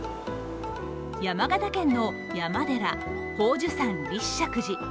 山形県の山寺、宝珠山立石寺。